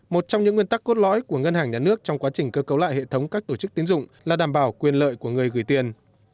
một trong những nguyên tắc cốt lõi của ngân hàng nhà nước trong quá trình cơ cấu lại hệ thống các tổ chức tiến dụng là đảm bảo quyền lợi của người gửi tiền